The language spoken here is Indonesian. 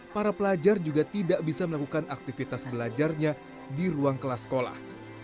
para pelajar juga tidak bisa melakukan aktivitas belajarnya di ruang kelas sekolah